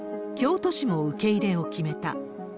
京都市も受け入れを決めた。